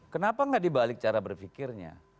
kenapa nggak dibalik cara berpikirnya